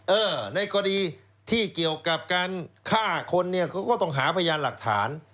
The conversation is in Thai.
เออในกรณีที่เกี่ยวกับการฆ่าคนเนี่ยเขาก็ต้องหาพยานหลักฐาน